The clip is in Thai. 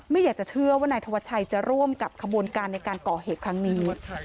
ไม่อยากจะเชื่อว่านายธวัชชัยจะร่วมกับขบวนการในการก่อเหตุครั้งนี้